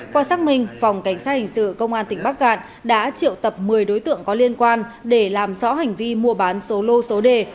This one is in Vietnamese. qua xác minh phòng cảnh sát hình sự công an tỉnh bắc cạn đã triệu tập một mươi đối tượng có liên quan để làm rõ hành vi mua bán số lô số đề